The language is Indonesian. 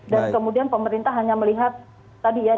dan kemudian pemerintah hanya melihat tadi ya